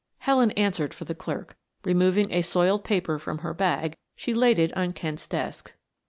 Helen answered for the clerk. Removing a soiled paper from her bag she laid it on Kent's desk.